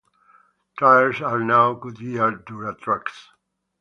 Tires are now Goodyear Duratracs.